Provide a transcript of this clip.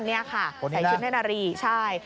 ใส่ชุดแท่นารีใช่